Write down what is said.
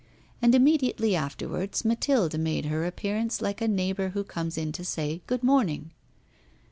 And immediately afterwards Mathilde made her appearance like a neighbour who comes in to say 'Good morning.